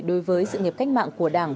đối với sự nghiệp cách mạng của đảng